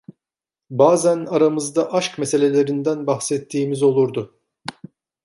Bazan aramızda aşk meselelerinden bahsettiğimiz olurdu.